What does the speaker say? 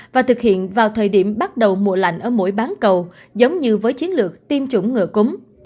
và thực hiện vào thời điểm bắt đầu mùa lạnh ở mũi bán cầu giống như với chiến lược tiêm chủng ngựa cúng